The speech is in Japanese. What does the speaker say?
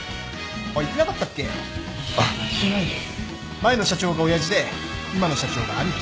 前の社長が親父で今の社長が兄貴。